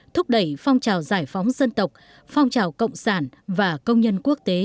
thúc đẩy phong trào giải phóng dân tộc phong trào cộng sản và công nhân quốc tế